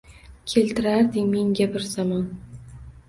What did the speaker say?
Keltirarding menga bir zamon